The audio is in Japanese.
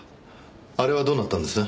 あれはどうなったんです？